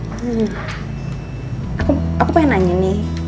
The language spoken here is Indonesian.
hmm aku pengen nanya nih